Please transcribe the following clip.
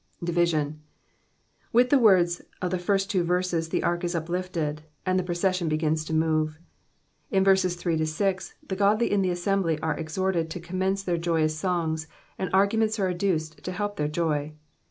Division. — With the loords of the first two verses the ark is uplifted, and the proces'iion begins to move. In verses 3 — 6, the gotily in the assembly are exhorted to commence thebr joy ^ ous songs, and arguments are adduced to help iJieirjoy.